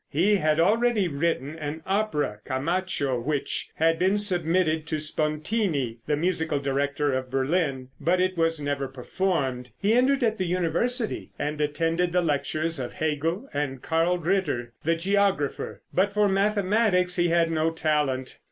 He had already written an opera "Camacho," which had been submitted to Spontini, the musical director of Berlin, but it was never performed. He entered at the University and attended the lectures of Hegel and Carl Ritter, the geographer, but for mathematics he had no talent.